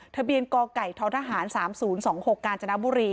ทะเบียนกไก่ท้อทหาร๓๐๒๖กาญจนบุรี